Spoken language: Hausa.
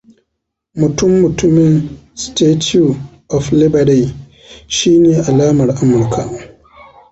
Mutum-mutumin Statue of Liberty shine alamar Amurka.